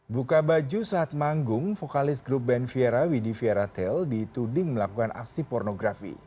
buka baju saat manggung vokalis grup band viera widhi viera tail dituding melakukan aksi pornografi